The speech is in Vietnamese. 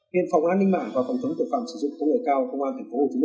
hiện phòng an ninh mạng và phòng chống tội phạm sử dụng của người cao công an tp hcm